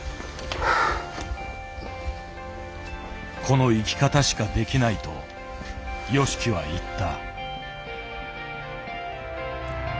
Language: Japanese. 「この生き方しかできない」とＹＯＳＨＩＫＩは言った。